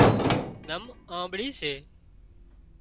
زم آنٻڙي سي